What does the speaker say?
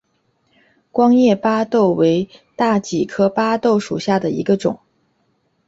光叶巴豆为大戟科巴豆属下的一个种。